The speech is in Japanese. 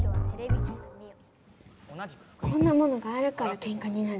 こんなものがあるからケンカになるんです。